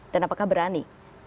dan apakah berani